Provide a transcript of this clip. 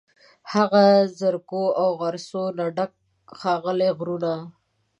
هغه د زرکو، او غرڅو، نه ډک، ښاغلي غرونه